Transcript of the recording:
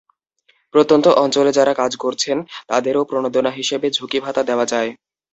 প্রত্যন্ত অঞ্চলে যাঁরা কাজ করছেন, তাঁদেরও প্রণোদনা হিসেবে ঝুঁকিভাতা দেওয়া যায়।